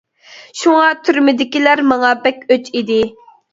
شۇڭا تۈرمىدىكىلەر ماڭا بەك ئۆچ ئىدى.